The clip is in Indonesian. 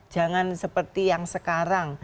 jangan seperti yang sekarang